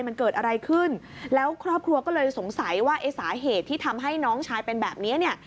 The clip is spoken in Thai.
มันเกิดอะไรขึ้นแล้วครอบครัวก็เลยสงสัยว่าไอ้สาเหตุที่ทำให้น้องชายเป็นแบบนี้เนี่ย